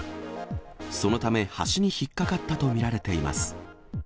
そのため橋に引っ掛かったと見られています。